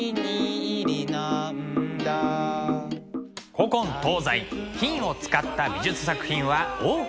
古今東西金を使った美術作品は多く存在します。